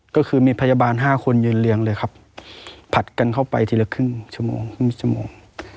ก็คือมีพยาบาล๕คนยืนเลี้ยงเลยครับผัดกันเข้าไปทีละครึ่งชั่วโมงครึ่งชั่วโมง